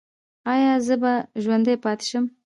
ایا زه به ژوندی پاتې شم؟